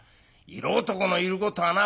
色男のいることはな